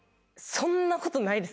そんなことないです。